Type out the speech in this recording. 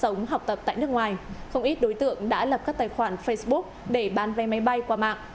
trong thời gian đông học tập tại nước ngoài không ít đối tượng đã lập các tài khoản facebook để bán vay máy bay qua mạng